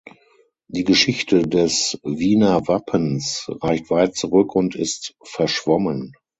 Die Geschichte des Wiener Wappens reicht weit zurück und ist verschwommen.